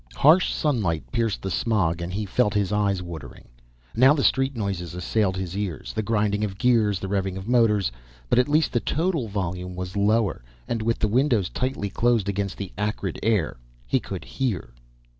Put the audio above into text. Harsh sunlight pierced the smog and he felt his eyes watering. Now the street noises assailed his ears; the grinding of gears, the revving of motors. But at least the total volume was lower, and with the windows tightly closed against the acrid air, he could hear.